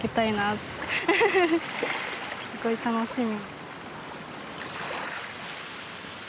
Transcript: すごい楽しみ。